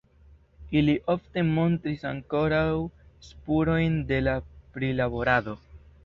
Ili ofte montris ankoraŭ spurojn de la prilaborado.